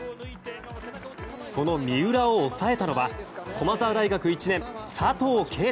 その三浦を抑えたのは駒澤大学１年、佐藤圭汰。